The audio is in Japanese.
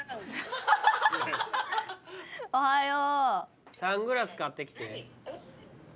おはよう。